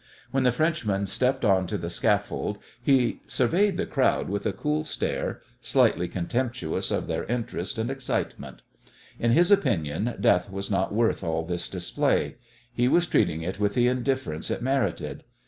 When the Frenchman stepped on to the scaffold he surveyed the crowd with a cool stare, slightly contemptuous of their interest and excitement. In his opinion death was not worth all this display. He was treating it with the indifference it merited.